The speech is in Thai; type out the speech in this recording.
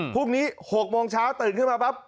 พรุ่งนี้๖โมงเช้าตื่นขึ้นมาปั๊บ